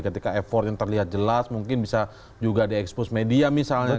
ketika effort yang terlihat jelas mungkin bisa juga di expose media misalnya